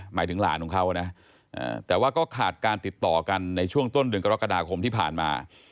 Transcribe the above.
หมายถึงหลานของเขานะแต่ว่าก็ขาดการติดต่อกันในช่วงต้นเดือนกรกฎาคมที่ผ่านมา